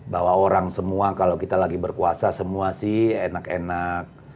bahwa orang semua kalau kita lagi berkuasa semua sih enak enak